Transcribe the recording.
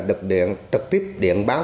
được thực tiếp điện báo